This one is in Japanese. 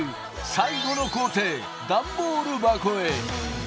最後の工程ダンボール箱へ。